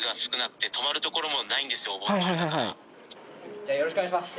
じゃよろしくお願いします。